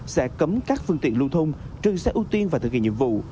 sẽ cấm các phương tiện lưu thông trừ xe ưu tiên và thực hiện nhiệm vụ